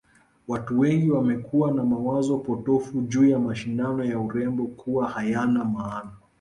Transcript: Watu wengi wamekuwa na mawazo potofu juu ya mashindano ya urembo kuwa hayana maana